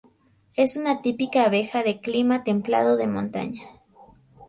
Es una típica abeja de clima templado de montaña.